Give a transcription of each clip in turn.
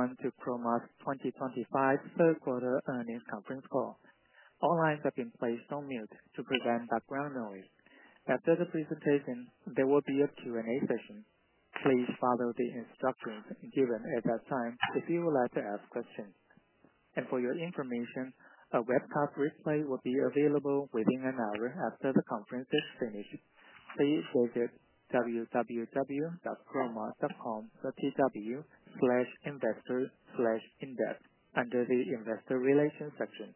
Everyone to Chroma ATE 2025 third quarter earnings conference call. All lines have been placed on mute to prevent background noise. After the presentation, there will be a Q&A session. Please follow the instructions given at that time if you would like to ask questions, and for your information, a webcam replay will be available within an hour after the conference is finished. Please visit www.chroma.com.tw/investor/index under the investor relations section.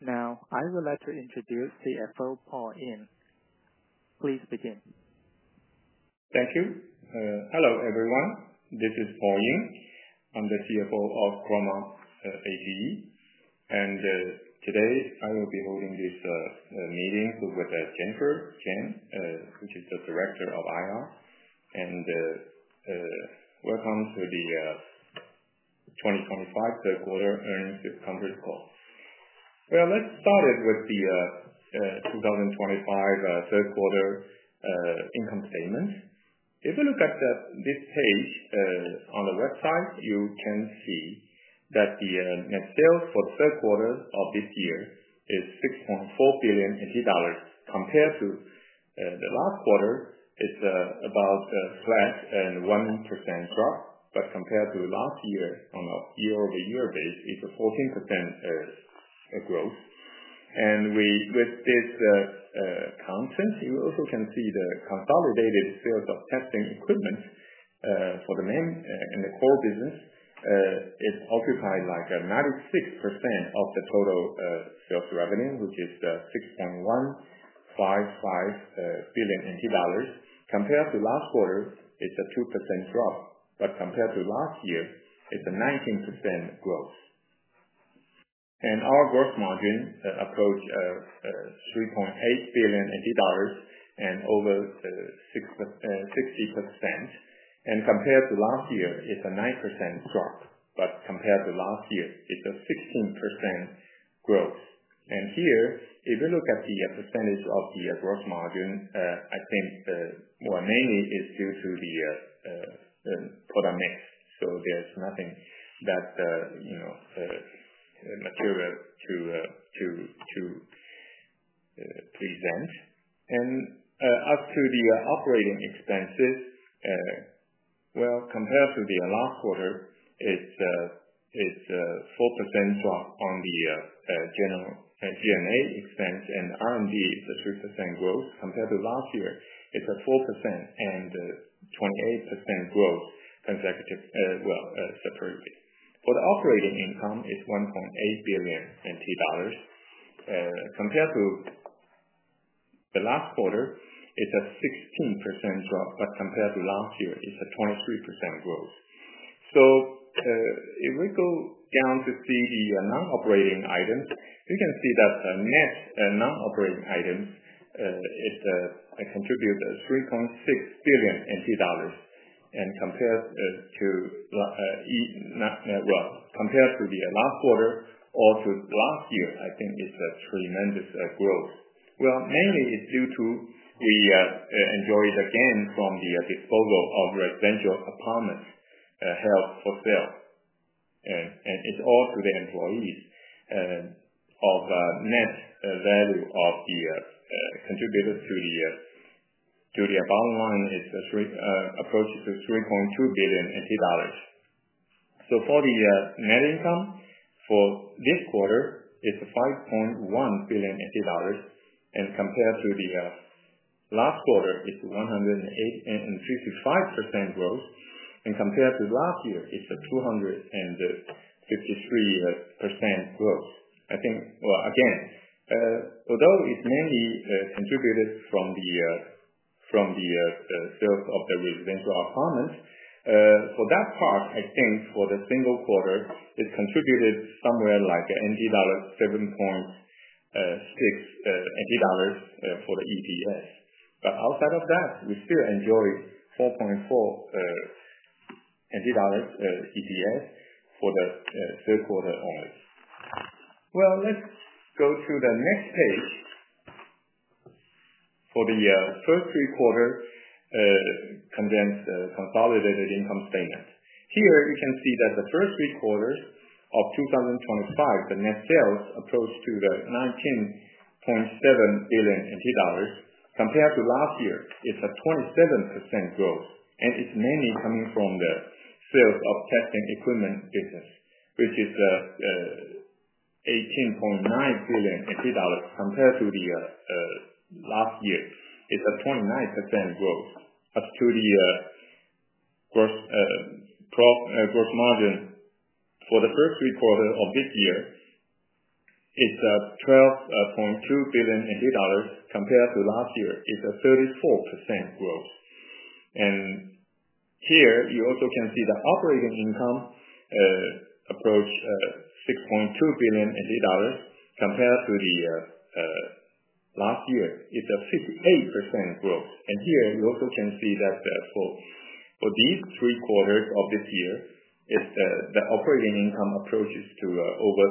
Now, I would like to introduce CFO Paul Ying. Please begin. Thank you. Hello, everyone. This is Paul Ying. I'm the CFO of Chroma ATE, and today, I will be holding this meeting with Jennifer Chien, which is the Director of IR, and welcome to the 2025 third quarter earnings conference call. Well, let's start with the 2025 third quarter income statement. If you look at this page on the website, you can see that the net sales for the third quarter of this year is 6.4 billion dollars compared to the last quarter. It's about a flat 1% drop, but compared to last year on a year-over-year basis, it's a 14% growth. And with this content, you also can see the consolidated sales of testing equipment for the main and the core business. It occupies like 96% of the total sales revenue, which is 6.155 billion NT dollars. Compared to last quarter, it's a 2% drop. But compared to last year, it's a 19% growth. And our gross margin approaches 3.8 billion dollars and over 60%. And compared to last year, it's a 9% drop. But compared to last year, it's a 16% growth. And here, if you look at the percentage of the gross margin, I think mainly it's due to the product mix. So there's nothing that material to present. And as to the operating expenses, well, compared to the last quarter, it's a 4% drop on the general G&A expense. And R&D is a 3% growth. Compared to last year, it's a 4% and 28% growth consecutive, well, separately. For the operating income, it's 1.8 billion NT dollars. Compared to the last quarter, it's a 16% drop. But compared to last year, it's a 23% growth. So if we go down to see the non-operating items, you can see that net non-operating items contribute TWD 3.6 billion. Compared to the last quarter or to last year, I think it's a tremendous growth. Mainly it's due to we enjoy the gain from the disposal of residential apartments held for sale. It's all to the employees. The net value contributed to the bottom line approaches TWD 3.2 billion. For the net income for this quarter, it's 5.1 billion dollars. Compared to the last quarter, it's 155% growth. Compared to last year, it's a 253% growth. Again, although it's mainly contributed from the sales of the residential apartments, for that part, I think for the single quarter, it contributed something like NT dollar 7.6 to the EPS. Outside of that, we still enjoy 4.4 NT dollars EPS for the third quarter only. Let's go to the next page for the first three quarters consolidated income statement. Here, you can see that the first three quarters of 2025, the net sales approached to TWD 19.7 billion. Compared to last year, it's a 27% growth, and it's mainly coming from the sales of testing equipment business, which is 18.9 billion dollars compared to last year. It's a 29% growth. As to the gross margin for the first three quarters of this year, it's 12.2 billion dollars compared to last year. It's a 34% growth, and here, you also can see the operating income approached TWD 6.2 billion compared to last year. It's a 58% growth, and here, you also can see that for these three quarters of this year, the operating income approaches to over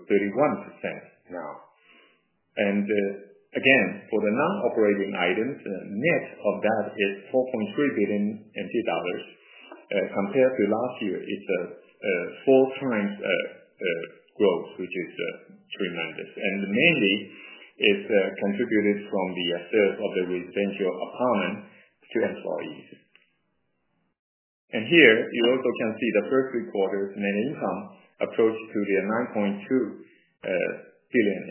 30%-31% now, and again, for the non-operating items, net of that is 4.3 billion NT dollars. Compared to last year, it's a four times growth, which is tremendous. Mainly, it's contributed from the sales of the residential apartment to employees. Here, you also can see the first three quarters net income approached to the 9.2 billion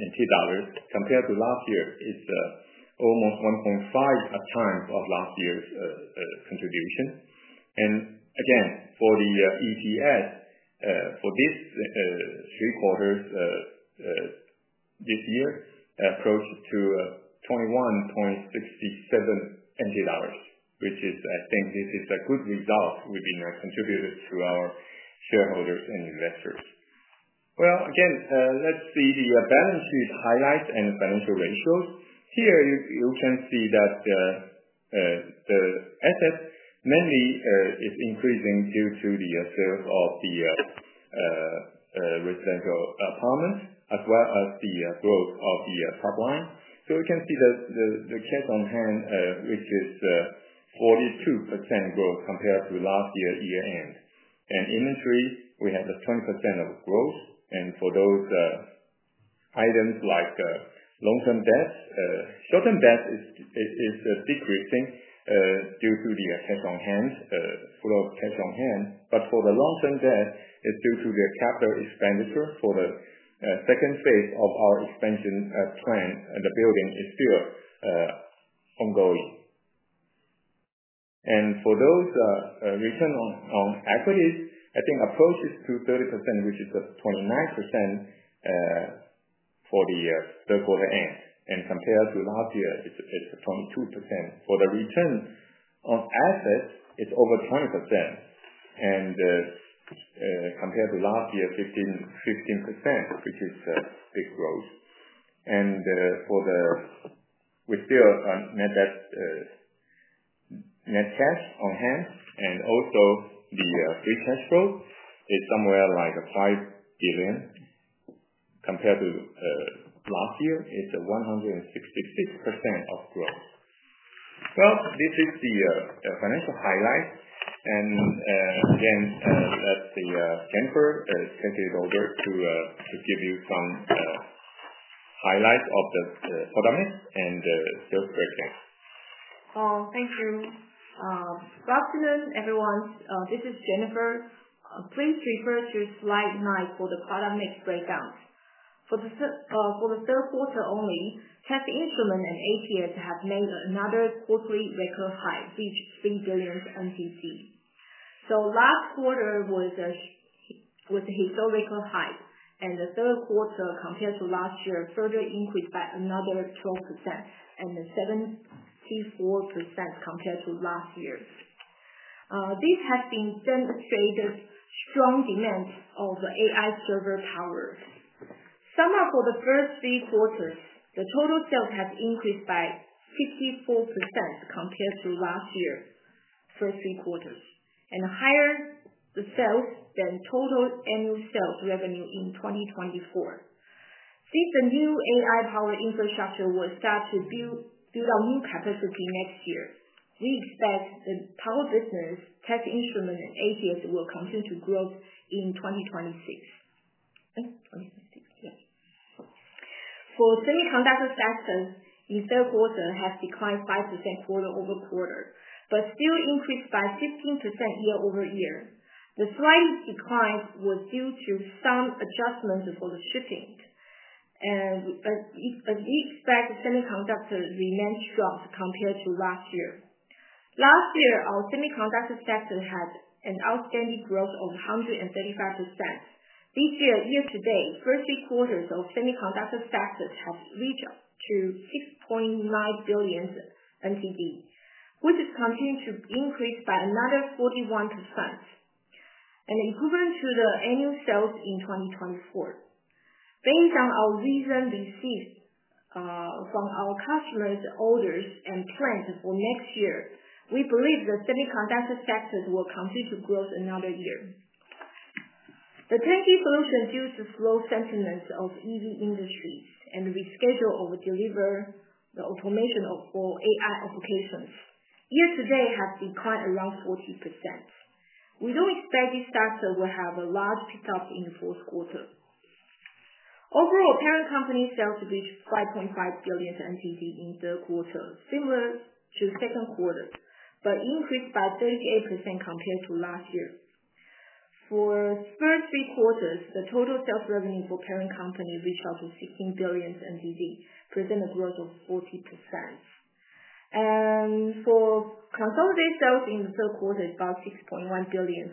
compared to last year. It's almost 1.5 times of last year's contribution. Again, for the EPS, for this three quarters this year, approached to 21.67 NT dollars, which is, I think this is a good result. We've been contributing to our shareholders and investors. Again, let's see the balance sheet highlights and financial ratios. Here, you can see that the assets mainly is increasing due to the sales of the residential apartments, as well as the growth of the pipeline. You can see the cash on hand, which is 42% growth compared to last year's year-end. Inventory, we have a 20% growth. For those items like long-term debt, short-term debt is decreasing due to the cash on hand, flow of cash on hand. But for the long-term debt, it's due to the capital expenditure for the second phase of our expansion plan. The building is still ongoing. For those return on equities, I think approaches to 30%, which is a 29% for the third quarter end. Compared to last year, it's a 22%. For the return on assets, it's over 20%. Compared to last year, 15%, which is a big growth. We still net cash on hand. Also, the free cash flow is somewhere like 5 billion. Compared to last year, it's a 166% of growth. This is the financial highlights. Again, let's see Jennifer take it over to give you some highlights of the product mix and the sales breakdown. Thank you. Good afternoon, everyone. This is Jennifer. Please refer to slide 9 for the product mix breakdown. For the third quarter only, test instrument and ATS have made another quarterly record high, reached 3 billion. So last quarter was a historical high. And the third quarter compared to last year further increased by another 12% and 74% compared to last year. This has been demonstrated strong demand of AI server power. Sum up for the first three quarters, the total sales have increased by 64% compared to last year's first three quarters and higher sales than total annual sales revenue in 2024. Since the new AI power infrastructure will start to build out new capacity next year, we expect the power business, test instrument, and ATS will continue to grow in 2026. For semiconductor sector, in third quarter, it has declined 5% quarter over quarter, but still increased by 15% year over year. The slight decline was due to some adjustments for the shipping. We expect semiconductor remains strong compared to last year. Last year, our semiconductor sector had an outstanding growth of 135%. This year, year to date, first three quarters of semiconductor factors have reached to 6.9 billion, which is continuing to increase by another 41% and equivalent to the annual sales in 2024. Based on our recent receipts from our customers, orders, and plans for next year, we believe the semiconductor sectors will continue to grow another year. The tech solution due to slow sentiments of EV industries and reschedule or deliver the automation for AI applications year to date has declined around 40%. We don't expect this sector will have a large pickup in the fourth quarter. Overall, parent company sales reached 5.5 billion in third quarter, similar to second quarter, but increased by 38% compared to last year. For first three quarters, the total sales revenue for parent company reached up to 16 billion, presented a growth of 40%. And for consolidated sales in the third quarter, it's about 6.1 billion,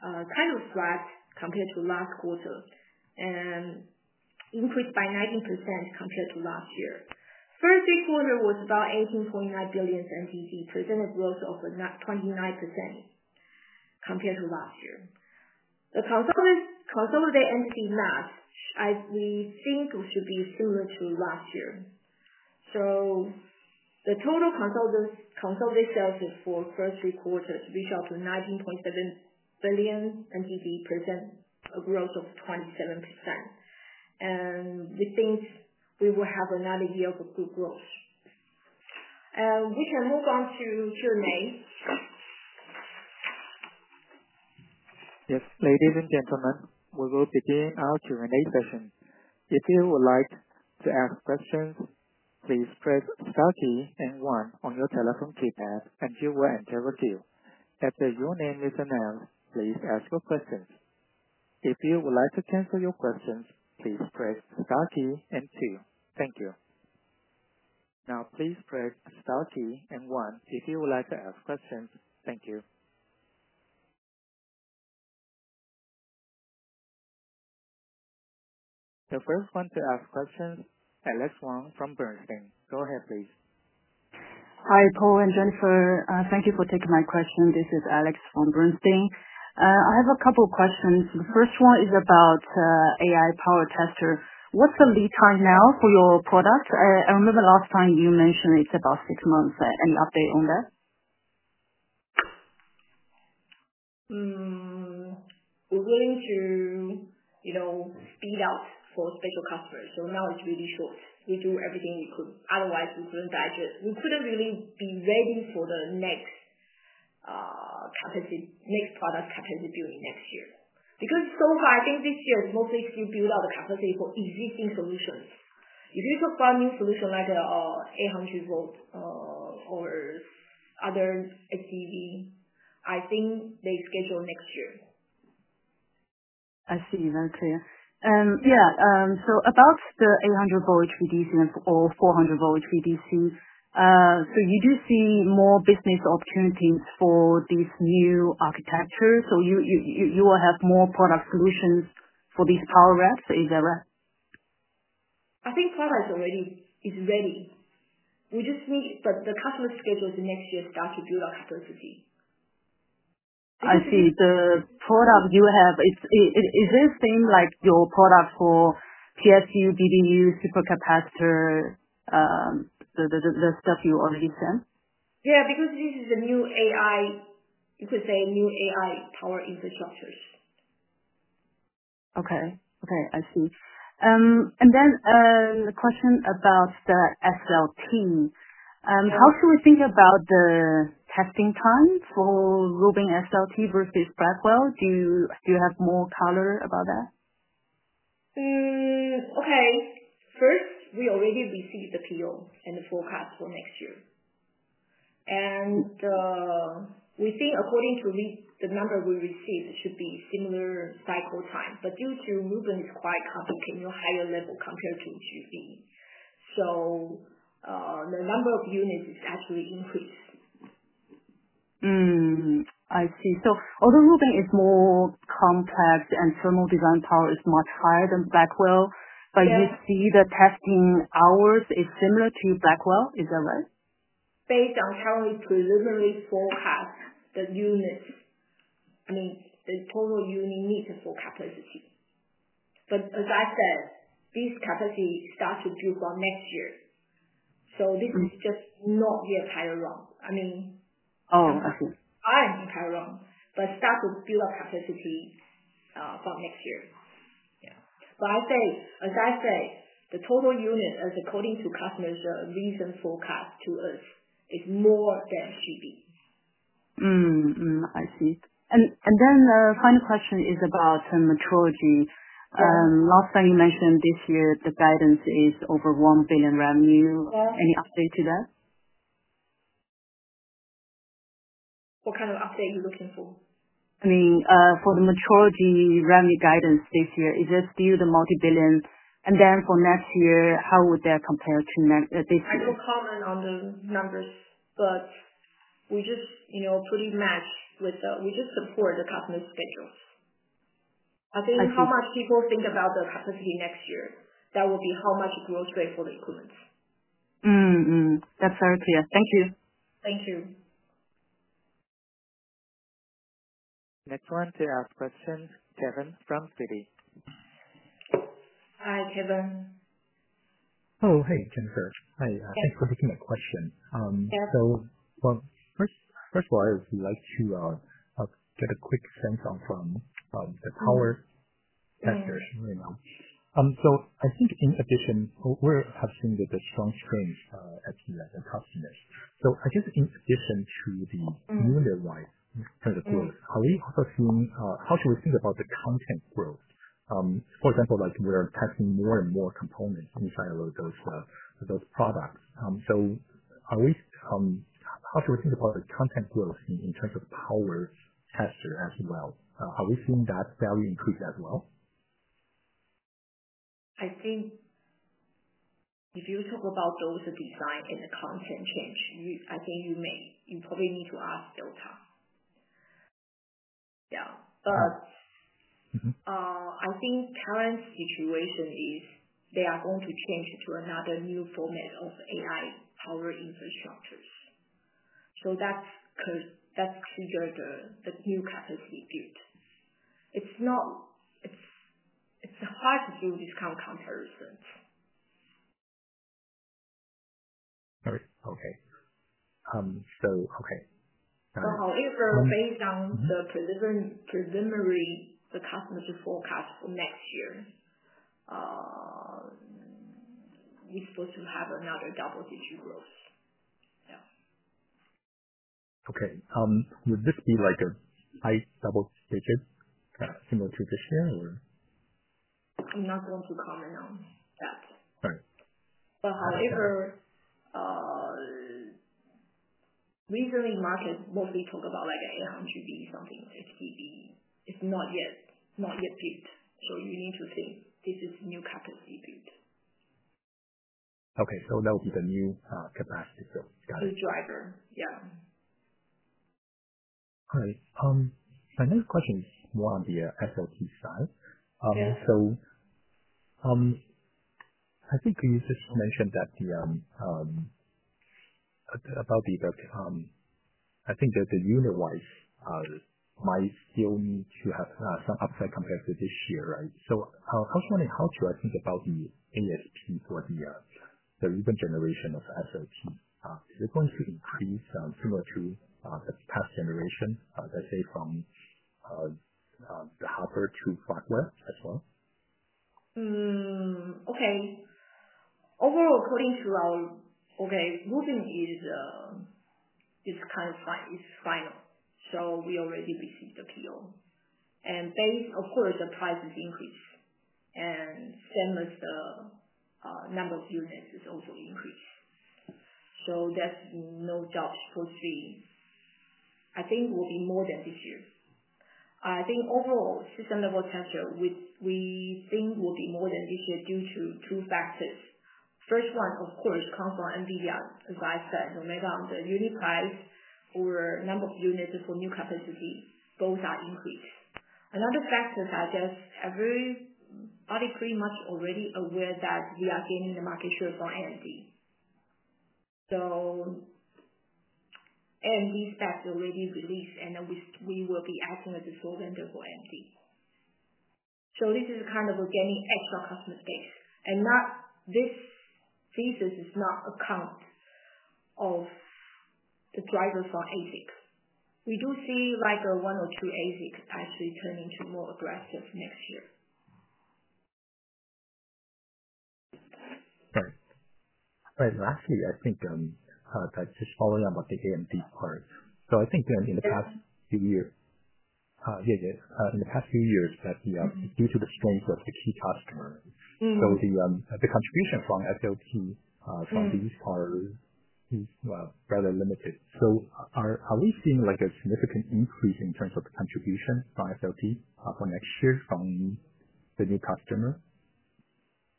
kind of flat compared to last quarter, and increased by 19% compared to last year. First three quarters was about 18.9 billion, presented a growth of 29% compared to last year. The consolidated entity math, we think, should be similar to last year. So the total consolidated sales for first three quarters reached up to 19.7 billion, presented a growth of 27%. And we think we will have another year of good growth. We can move on to Q&A. Yes, ladies and gentlemen, we will begin our Q&A session. If you would like to ask questions, please press star key and 1 on your telephone keypad, and you will enter a queue. After your name is announced, please ask your questions. If you would like to cancel your questions, please press star key and 2. Thank you. Now, please press star key and 1 if you would like to ask questions. Thank you. The first one to ask questions, Alex Wong from Bernstein. Go ahead, please. Hi, Paul and Jennifer. Thank you for taking my question. This is Alex from Bernstein. I have a couple of questions. The first one is about AI power tester. What's the lead time now for your product? I remember last time you mentioned it's about six months. Any update on that? We're willing to speed out for special customers. So now it's really short. We do everything we could. Otherwise, we couldn't digest. We couldn't really be ready for the next capacity, next product capacity building next year. Because so far, I think this year is mostly still build out the capacity for existing solutions. If you talk about new solutions like 800V or other HVDC, I think they schedule next year. I see. Okay. Yeah. So about the 800V HVDC or 400V HVDC, so you do see more business opportunities for this new architecture. So you will have more product solutions for these power racks. Is that right? I think product is ready. We just need the customer schedules next year start to build our capacity. I see. The product you have, is it the same like your product for PSU, BBU, supercapacitor, the stuff you already sent? Yeah, because this is a new AI, you could say new AI power infrastructures. Okay. Okay. I see. And then the question about the SLT. How should we think about the testing time for Rubin SLT versus Blackwell? Do you have more color about that? Okay. First, we already received the PO and the forecast for next year. And we think according to the number we received, it should be similar cycle time. But due to Rubin, it's quite complicated, higher level compared to GB. So the number of units is actually increased. I see. So although Rubin is more complex and thermal design power is much higher than Blackwell, but you see the testing hours is similar to Blackwell. Is that right? Based on how we preliminarily forecast the units, I mean, the total unit need for capacity. But as I said, this capacity starts to build for next year. So this is just not the entire run. I mean. Oh, I see. It's not entire run, but start to build up capacity for next year. But as I said, the total unit, according to customer's recent forecast to us, is more than it should be. I see, and then the final question is about metrology. Last time you mentioned this year, the guidance is over 1 billion revenue. Any update to that? What kind of update are you looking for? I mean, for the metrology revenue guidance this year, is it still the multi-billion? And then for next year, how would that compare to this year? I don't comment on the numbers, but we just pretty much support the customer's schedules. I think how much people think about the capacity next year, that will be how much growth rate for the equipment. That's very clear. Thank you. Thank you. Next one to ask question, Kevin from Citi. Hi, Kevin. Oh, hey, Jennifer. Hi. Thanks for taking that question. First of all, I would like to get a quick sense from the power sector right now. I think in addition, we have seen the strong strengths at the customers. I guess in addition to the unit-wide kind of growth, are we also seeing how should we think about the content growth? For example, we're testing more and more components inside of those products. How should we think about the content growth in terms of power tester as well? Are we seeing that value increase as well? I think if you talk about those design and the content change, I think you probably need to ask Delta. Yeah. But I think current situation is they are going to change to another new format of AI power infrastructures. So that triggered the new capacity build. It's hard to do this kind of comparisons. All right. Okay. So okay. However, based on the preliminary, the customer's forecast for next year, we're supposed to have another double-digit growth. Yeah. Okay. Would this be like a high double-digit similar to this year, or? I'm not going to comment on that. All right. But however, recently market mostly talk about like 800V, something HVDC. It's not yet built. So you need to think this is new capacity built. Okay. So that would be the new capacity build. Got it. The driver. Yeah. All right. My next question is more on the SLT side. So I think you just mentioned that about the I think that the unit-wise might still need to have some upside compared to this year, right? So first one, how should I think about the ASP for the Rubin generation of SLT? Is it going to increase similar to the past generation, let's say from the Hopper to Blackwell as well? Okay. Overall, according to our okay, Rubin is kind of fine. It's final, so we already received the PO, and based, of course, the price is increased, and same as the number of units is also increased, so there's no doubt for Q3. I think will be more than this year. I think overall system-level test, we think will be more than this year due to two factors. First one, of course, comes from NVIDIA, as I said, no matter the unit price or number of units for new capacity, both are increased. Another factor is I guess everybody pretty much already aware that we are gaining the market share for AMD, so AMD specs already released, and we will be acting as a sole vendor for AMD, so this is kind of gaining extra customer space, and this thesis is not accounting for the drivers for ASIC. We do see like one or two ASIC actually turning to more aggressive next year. Right. All right. Lastly, I think just following on about the AMD part. So I think in the past few years that due to the strength of the key customer, so the contribution from SLT from these parts is rather limited. So are we seeing a significant increase in terms of contribution from SLT for next year from the new customer?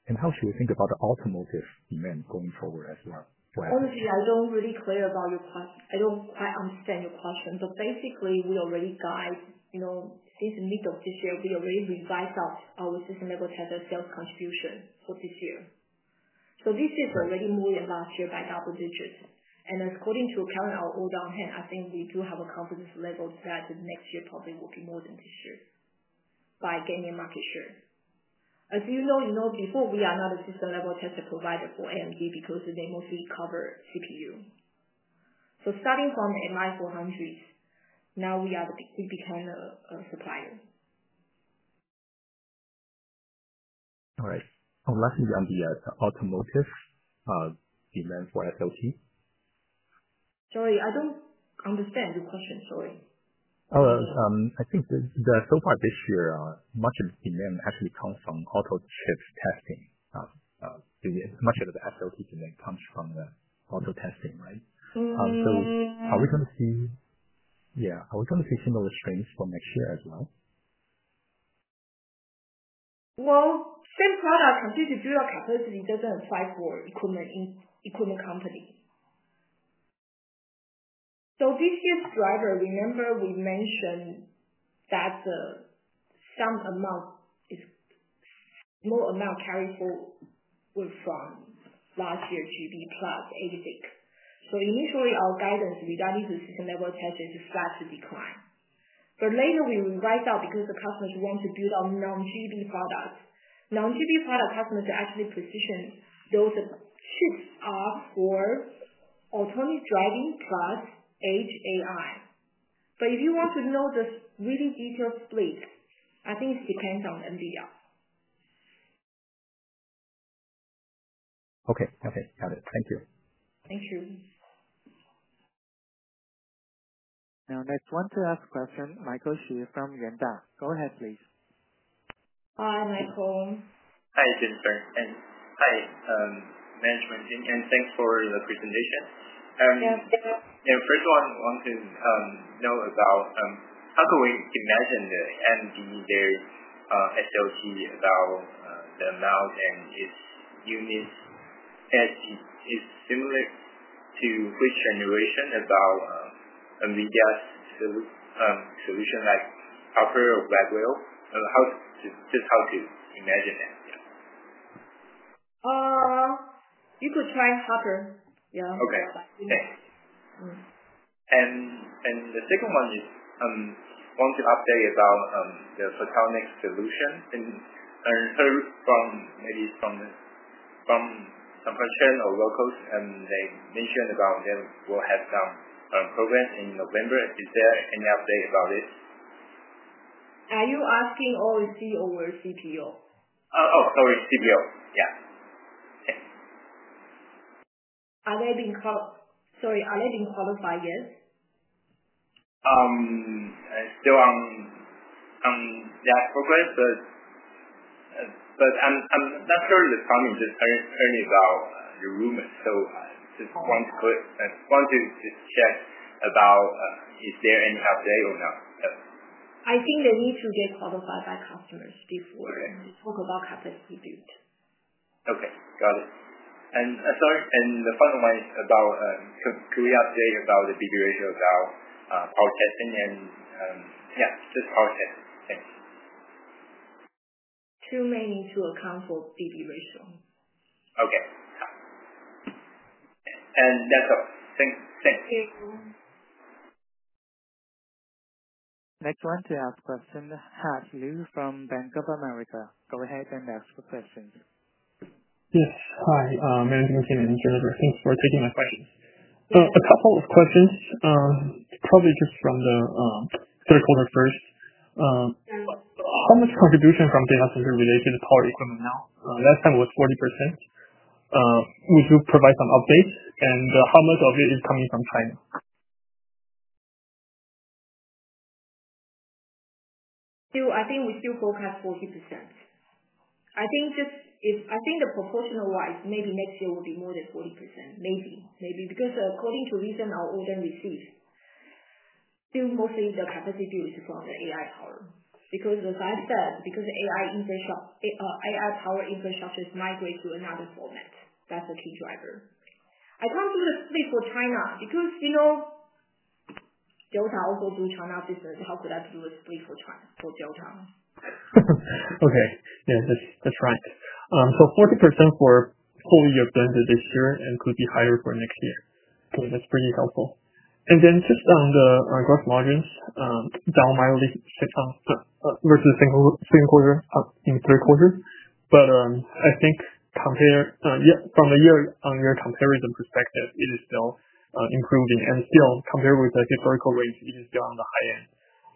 And how should we think about the automotive demand going forward as well? Honestly, I don't really care about your question. I don't quite understand your question. But basically, we already guided since the middle of this year. We already revised our system-level tester sales contribution for this year. So this is already more than last year by double digits. And according to current order intake, I think we do have a confidence level that next year probably will be more than this year by gaining market share. As you know, before, we were not a system-level tester provider for AMD because they mostly cover CPU. So starting from the MI400s, now we became a supplier. All right. Lastly, on the automotive demand for SLT? Sorry, I don't understand your question. Sorry. Oh, I think so far this year, much of the demand actually comes from auto chip testing. Much of the SLT demand comes from auto testing, right? So are we going to see similar strengths for next year as well? Same product continues to build up capacity, doesn't apply for equipment company. So this year's driver, remember we mentioned that some amount, small amount carry forward from last year GB plus ASIC. So initially, our guidance regarding the system-level tester is flat decline. But later, we revised out because the customers want to build on non-GB products. Non-GB product customers are actually positioned those chips are for autonomous driving plus edge AI. But if you want to know the really detailed split, I think it depends on NVIDIA. Okay. Got it. Got it. Thank you. Thank you. Now, next one to ask question, Michael Xu from Yuanta. Go ahead, please. Hi, Michael. Hi, Jennifer. And hi, management team. And thanks for the presentation. And first one, I want to know about how can we imagine the AMD, their SLT, about the amount and its units is similar to which generation about NVIDIA's solution like Hopper or Blackwell? Just how to imagine it. You could try Hopper. Yeah. Okay. Thanks. And the second one is I want to update about the Photonics solution. And heard from maybe from some person or locals, and they mentioned about them will have some programs in November. Is there any update about it? Are you asking all CEO or CPO? Oh, sorry, CPO. Yeah. Thanks. Are they being sorry, are they being qualified yet? I'm still on that program, but I'm not sure the comment. Just heard about the rumor, so I just want to just check about is there any update or not. I think they need to get qualified by customers before we talk about capacity build. Okay. Got it. And sorry, and the final one is about: can we update about the BB ratio about power testing? And yeah, just power testing. Thanks. Too many to account for BB ratio. Okay. And that's all. Thanks. Thank you. Next one to ask question, Hasley from Bank of America. Go ahead and ask your questions. Yes. Hi. Management team and Jennifer. Thanks for taking my question. So a couple of questions, probably just from the shareholder first. How much contribution from data center related to power equipment now? Last time it was 40%. Would you provide some updates? And how much of it is coming from China? I think we still forecast 40%. I think just if I think the proportional-wise, maybe next year will be more than 40%. Maybe. Maybe. Because according to recent, our order received, still mostly the capacity build is from the AI power. Because as I said, because the AI power infrastructure is migrating to another format. That's the key driver. I come to the split for China because Delta also do China business. How could I do a split for Delta? Okay. Yeah. That's right. So 40% for fully implemented this year and could be higher for next year. Okay. That's pretty helpful. And then just on the gross margins, down mildly versus the same quarter in the third quarter. But I think from a year-on-year comparison perspective, it is still improving. And still, compared with the historical rates, it is still on the high end.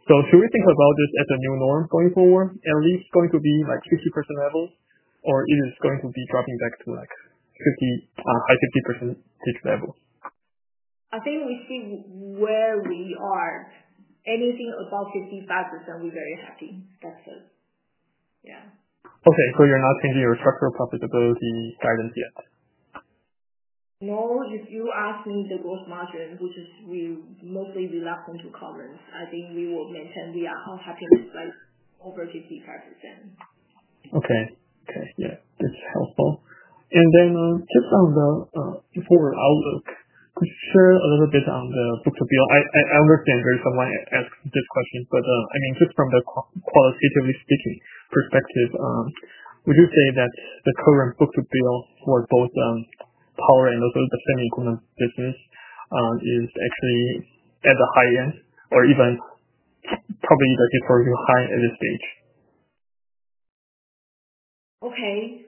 So should we think about this as a new norm going forward? At least going to be like 50% level, or is it going to be dropping back to high 50% level? I think we see where we are. Anything above 55%, we're very happy. That's it. Yeah. Okay. So you're not changing your structural profitability guidance yet? No. If you ask me the gross margin, which is mostly reluctant to comment, I think we will maintain we are happy with over 55%. Okay. Okay. Yeah. That's helpful. And then just on the forward outlook, could you share a little bit on the book to bill? I understand there's someone asked this question, but I mean, just from the qualitatively speaking perspective, would you say that the current book to bill for both power and also the semi-equipment business is actually at the high end or even probably the historical high at this stage? Okay.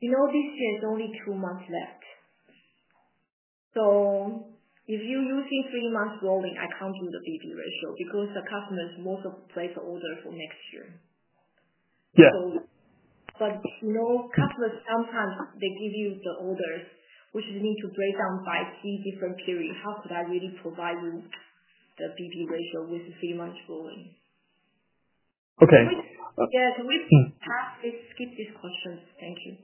This year is only two months left. So if you're using three months rolling, I can't do the BB ratio because the customers most of place order for next year. Yeah. But customers sometimes they give you the orders, which you need to break down by three different periods. How could I really provide you the BB ratio with three months rolling? Okay. Yeah. Can we pass this, skip this question? Thank you.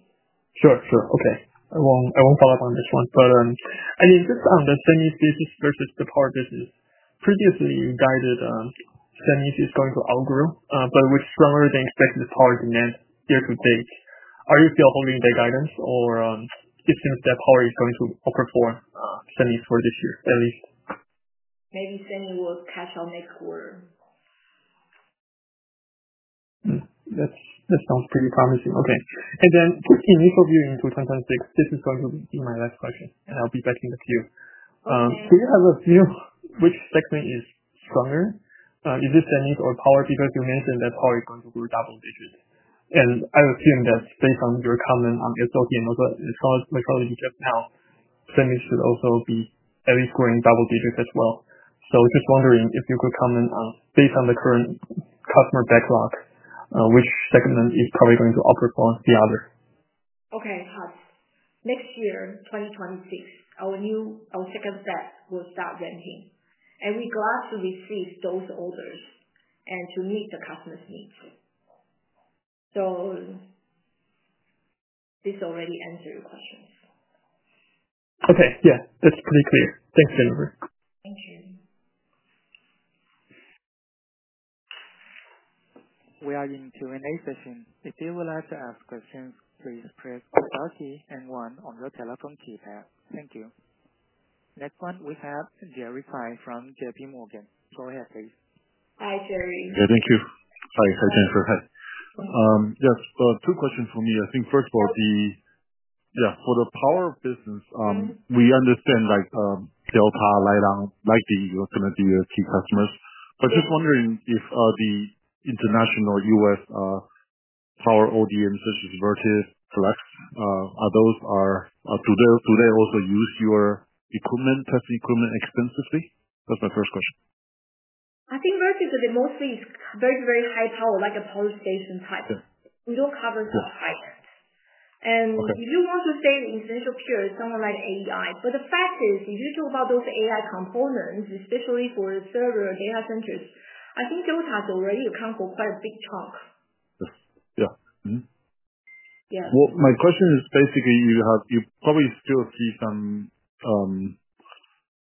I won't follow up on this one. But I mean, just on the semi business versus the power business, previously you guided semi is going to outgrow, but with stronger than expected power demand year to date. Are you still holding the guidance, or it seems that power is going to outperform semi for this year at least? Maybe semi will catch up next quarter. That sounds pretty promising. Okay. And then just initial view into 2026, this is going to be my last question, and I'll be back in a few. Do you have a view which segment is stronger? Is it semi or power? Because you mentioned that power is going to grow double digits. And I assume that based on your comment on SLT and also electrolytes just now, semi should also be at least growing double digits as well. So just wondering if you could comment on, based on the current customer backlog, which segment is probably going to outperform the other? Okay. Next year, 2026, our second batch will start renting. And we're glad to receive those orders and to meet the customer's needs. So this already answered your questions. Okay. Yeah. That's pretty clear. Thanks, Jennifer. Thank you. We are now in a Q&A session. If you would like to ask questions, please press star key and one on your telephone keypad. Thank you. Next one, we have Jerry Cheng from J.P. Morgan. Go ahead, please. Hi, Jerry. Yeah. Thank you. Hi, Jennifer. Yes. Two questions for me. I think first of all, yeah, for the power business, we understand Delta, Light One, likely they're going to be your key customers. But just wondering if the international US power ODM such as Vertiv, Flex do they also use your equipment, testing equipment extensively? That's my first question. I think Vertiv, they mostly is very, very high power, like a power station type. We don't cover the high end and if you want to say the essential power, someone like AEI, but the fact is, if you talk about those AI components, especially for server data centers, I think Delta has already accounted for quite a big chunk. Yes. Yeah. Well, my question is basically, you probably still see some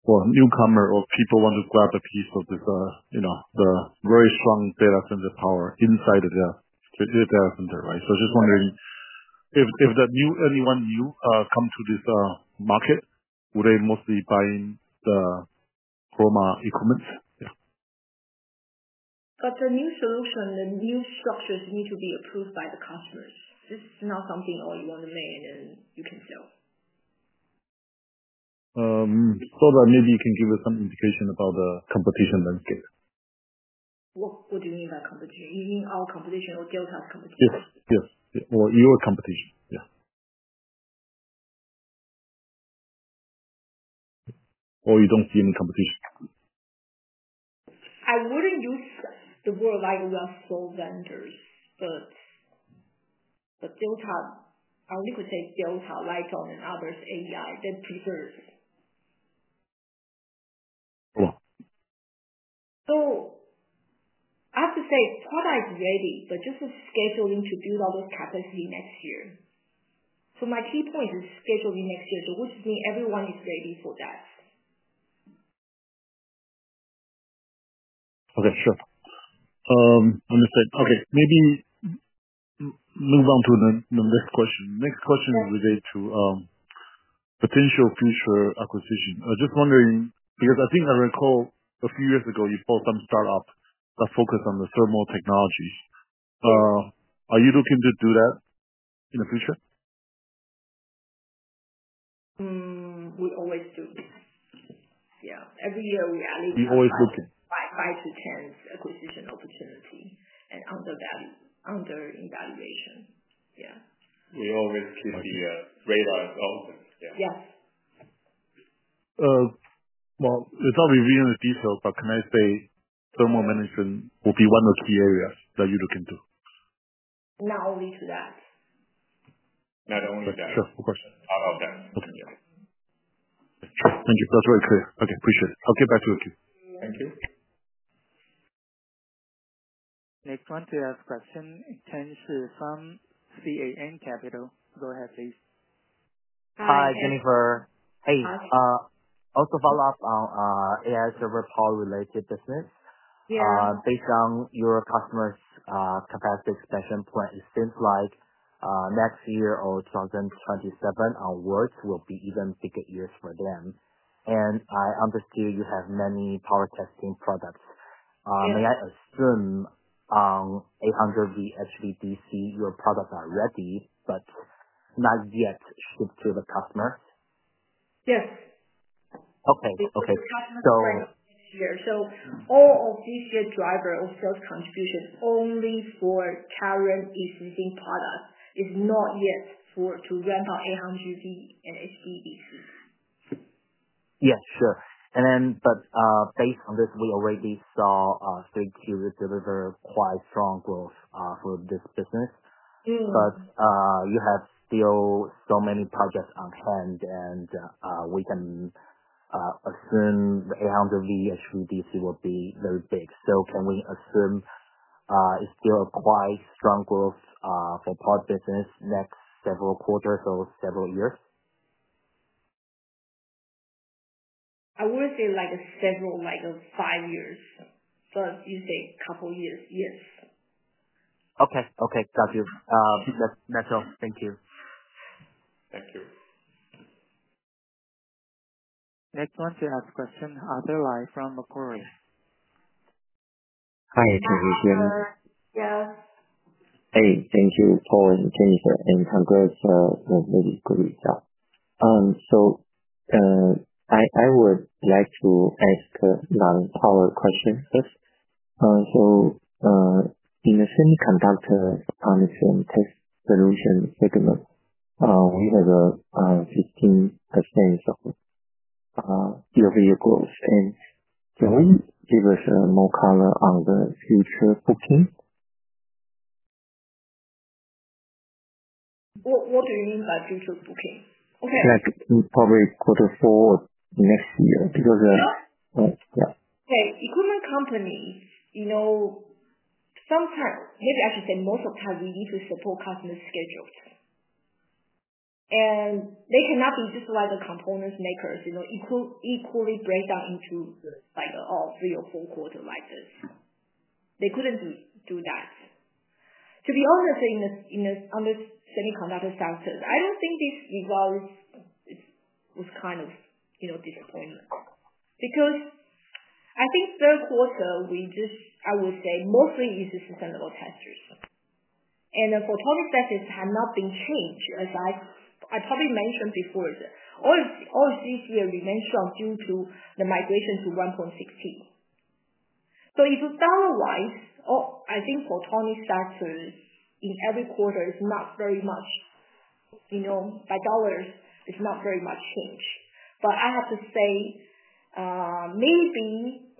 newcomer or people want to grab a piece of the very strong data center power inside the data center, right? So just wondering, if anyone new comes to this market, would they mostly buy in the Chroma equipment? Yeah. But the new solution, the new structures need to be approved by the customers. This is not something all you want to make and then you can sell. So that maybe you can give us some indication about the competition landscape. What do you mean by competition? You mean our competition or Delta's competition? Yes. Yes. Or your competition? Yeah. Or you don't see any competition? I wouldn't use the word like we are sole vendors, but Delta, I only could say Delta, Light One, and others, AEI, they're preferred. Hello? So I have to say product is ready, but just the scheduling to build out those capacity next year. So my key point is scheduling next year, which means everyone is ready for that. Okay. Sure. Understood. Okay. Maybe move on to the next question. Next question is related to potential future acquisition. Just wondering, because I think I recall a few years ago, you bought some startup that focused on the thermal technologies. Are you looking to do that in the future? We always do. Yeah. Every year, we add it. We always looking. Five to ten acquisition opportunities under evaluation. Yeah. We always keep the radar out. Yeah. Yes. Without revealing the details, but can I say thermal management will be one of the key areas that you're looking to? Not only to that. Not only to that. Sure. Of course. Not of that. Okay. Sure. Thank you. That's very clear. Okay. Appreciate it. I'll get back to you. Thank you. Next one to ask question, Cheng Shih from KGI Securities. Go ahead, please. Hi, Jennifer. Hey. Also, follow up on AI server power-related business. Based on your customer's capacity expansion plan, it seems like next year or 2027 onwards will be even bigger years for them. And I understood you have many power testing products. May I assume on 800V HVDC, your products are ready, but not yet shipped to the customers? Yes. Okay. Okay. This is the customer's plan for next year. So all of this year's driver of sales contribution only for current existing products is not yet for the rollout of 800V and HVDC. Yes. Sure. And then but based on this, we already saw 3Q deliver quite strong growth for this business. But you have still so many projects on hand, and we can assume the 800V HVDC will be very big. So can we assume it's still a quite strong growth for power business next several quarters or several years? I would say, like, several, like, five years. So you say a couple of years, yes. Okay. Okay. Got you. That's all. Thank you. Thank you. Next one to ask question, Arthur Lai from Macquarie. Hi, Jennifer. Yes. Hey. Thank you, Paul and Jennifer. Congrats on a really good result. I would like to ask a non-power question first. In the semiconductor test solution segment, we have a 15% of EOV growth. Can you give us more color on the future booking? What do you mean by future booking? Okay. Like probably quarter four next year. Because. Yeah? Yeah. Okay. Equipment companies, sometimes maybe I should say most of the time, we need to support customer schedules, and they cannot be just like the components makers equally break down into all three or four quarters like this. They couldn't do that. To be honest, in the Semiconductor sector, I don't think this result was kind of disappointing, because I think third quarter, we just, I would say, mostly is system testers, and the Photonics stages have not been changed, as I probably mentioned before. All of this year, we've been strong due to the migration to 1.16, so if dollar-wise, I think Photonics stages in every quarter is not very much by dollars, it's not very much change, but I have to say maybe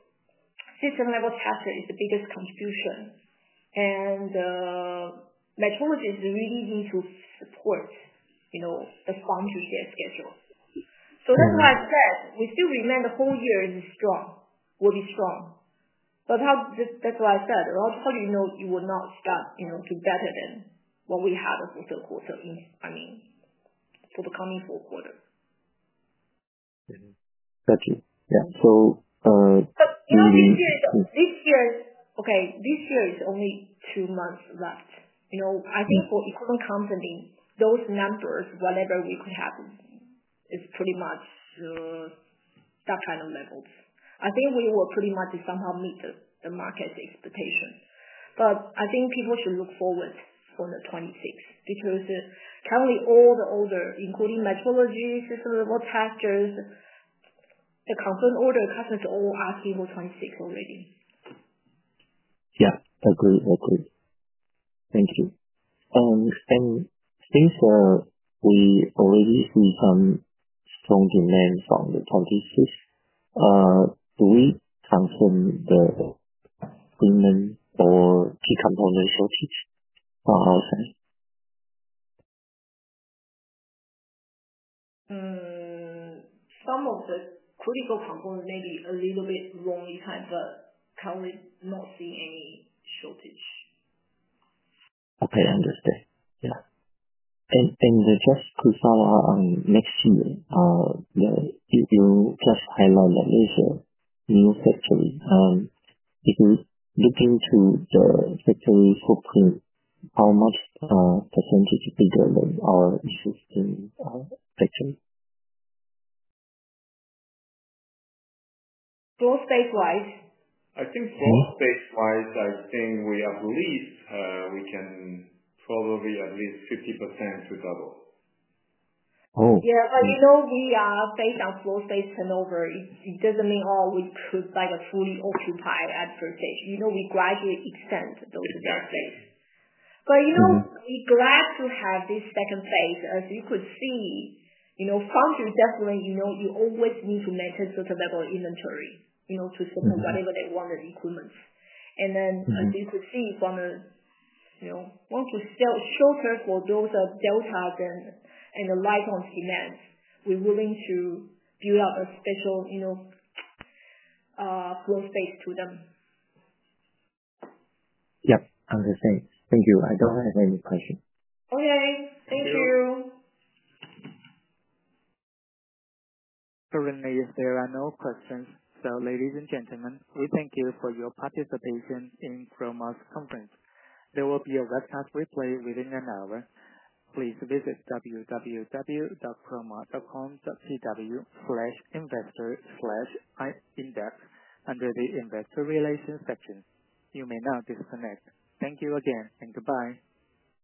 system-level tester is the biggest contribution, and metrologists really need to support the foundry share schedule. So that's why I said we still remain the whole year is strong, will be strong. But that's why I said, how do you know it will not start to better than what we had for third quarter? I mean, for the coming four quarters? Got you. Yeah. So. But this year, okay, this year is only two months left. I think for equipment company, those numbers, whatever we could have, is pretty much that kind of levels. I think we will pretty much somehow meet the market's expectation. But I think people should look forward for the 26th. Because currently, all the orders, including metrology, system-level testers, the current order, customers are all asking for 26th already. Yeah. Agreed. Agreed. Thank you. And since we already see some strong demand from the 26th, do we confirm the agreement or key component shortage from outside? Some of the critical components may be a little bit wrong in time, but currently, not seeing any shortage. Okay. I understand. Yeah. And just to follow up on next year, you just highlighted a major new factory. If you're looking to the factory footprint, how much percentage bigger than our existing factory? Growth base-wise? I think growth base-wise, we can probably at least 50% to double. Oh. Yeah, but we are based on growth base turnover. It doesn't mean all we could fully occupy at first stage. We gradually extend those base phase. But we're glad to have this second phase. As you could see, foundry definitely you always need to maintain certain level of inventory to support whatever equipment they wanted. And then as you could see, once we sell short of those Delta and the Lite-On's demand, we're willing to build out a special growth base to them. Yep. Understood. Thank you. I don't have any questions. Okay. Thank you. Currently, if there are no questions, so ladies and gentlemen, we thank you for your participation in Chroma's conference. There will be a webcast replay within an hour. Please visit www.chroma.com.tw/investor/index under the investor relations section. You may now disconnect. Thank you again and goodbye.